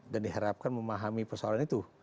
dan diharapkan memahami persoalan itu